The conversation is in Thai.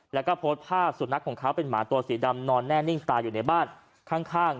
แล้วก็โพสต์ภาพสุนัขของเขาเป็นหมาตัวสีดำนอนแน่นิ่งตายอยู่ในบ้านข้าง